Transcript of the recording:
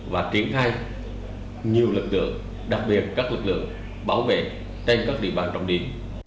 và triển khai nhiều lực lượng đặc biệt các lực lượng bảo vệ trên các địa bàn trọng điểm